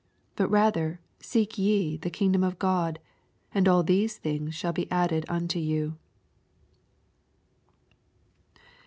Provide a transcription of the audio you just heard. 81 But rather seek ye the kingdom of God ; and all these Uiings shall b<( adde I unto you.